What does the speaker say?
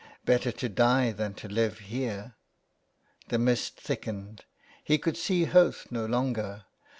" Better to die than to live here." The mist thickened — he could see Howth no longer.